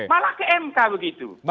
malah kmk begitu